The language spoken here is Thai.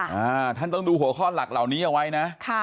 อ่าท่านต้องดูหัวข้อหลักเหล่านี้เอาไว้นะค่ะ